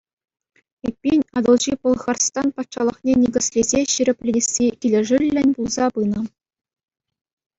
Эппин, Атӑлҫи Пӑлхарстан патшалӑхне никӗслесе ҫирӗплетесси килӗшӳллӗн пулса пынӑ.